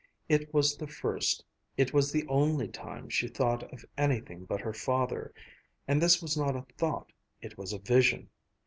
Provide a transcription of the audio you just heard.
It was the first, it was the only time she thought of anything but her father, and this was not a thought, it was a vision.